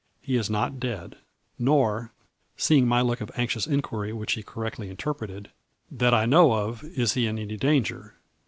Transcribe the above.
He is not dead, nor,' — seeing my look of anxious inquiry which he correctly interpreted, ' that I know of, is he in any danger.